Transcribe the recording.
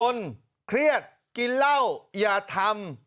เครียดกินเหล้าอย่าทำ